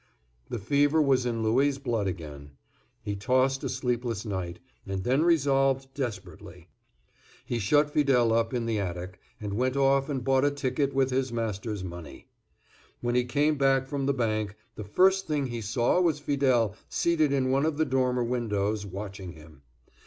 The fever was in Louis' blood again. He tossed a sleepless night, and then resolved desperately. He shut Fidele up in the attic, and went off and bought a ticket with his master's money. When he came back from the bank, the first thing he saw was Fidele seated in one of the dormer windows, watching him.